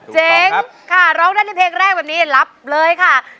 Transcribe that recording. เจ๋งค่ะร้องได้ในเพลงแรกแบบนี้รับเลยค่ะ